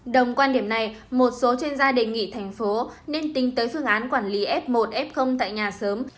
đồng quan điểm này một số chuyên gia đề nghị thành phố nên tính tới phương án quản lý f một f tại nhà sớm